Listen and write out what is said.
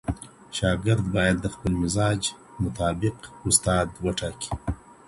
شاګرد باید د خپل مزاج مطابق استاد وټاکي.